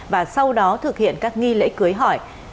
và sau đó thực hiện các nghi lễ cưới hỏi